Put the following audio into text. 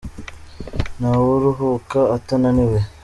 ntawuruhuka atananiwe.